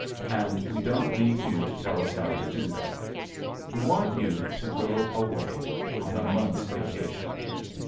And we don't need you to tell us how to do that. We want you to go away on a month's vacation.